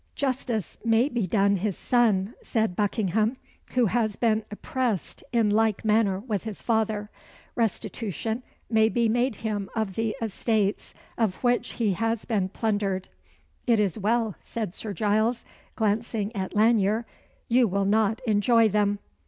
"Justice may be done his son," said Buckingham, "who has been oppressed in like manner with his father. Restitution may be made him of the estates of which he has been plundered." "It is well," said Sir Giles, glancing at Lanyere. "You will not enjoy them."